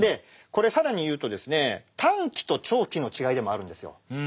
これ更に言うと短期と長期の違いでもあるんですよ。